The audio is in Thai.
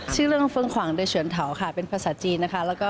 ชื่อเรื่องเฟิงขวางเดชวนเทาเป็นภาษาจีนนะคะ